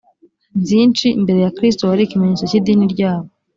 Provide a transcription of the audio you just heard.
byinshi mbere ya kristo wari ikimenyetso cy idini ryabo